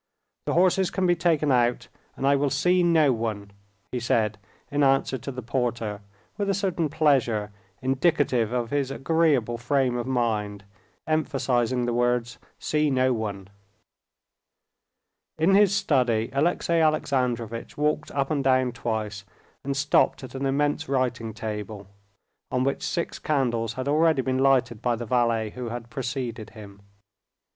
"The horses can be taken out and I will see no one," he said in answer to the porter, with a certain pleasure, indicative of his agreeable frame of mind, emphasizing the words, "see no one." In his study Alexey Alexandrovitch walked up and down twice, and stopped at an immense writing table, on which six candles had already been lighted by the valet who had preceded him.